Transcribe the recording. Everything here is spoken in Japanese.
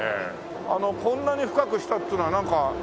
あのこんなに深くしたっていうのはなんか意味あるの？